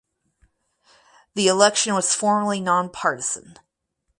The election was formally nonpartisan.